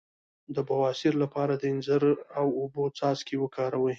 د بواسیر لپاره د انځر او اوبو څاڅکي وکاروئ